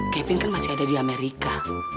kevin kan masih ada di amerika